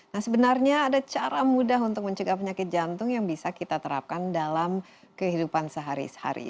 nah sebenarnya ada cara mudah untuk mencegah penyakit jantung yang bisa kita terapkan dalam kehidupan sehari hari